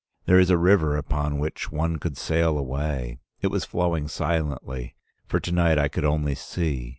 There is a river upon which one could sail away. It was flowing silently, for to night I could only see.